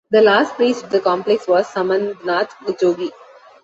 The last priest of the complex was "Samandnath Jogi".